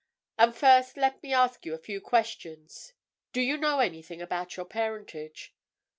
And first let me ask you a few questions. Do you know anything about your parentage?"